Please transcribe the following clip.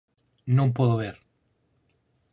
Non podo ver.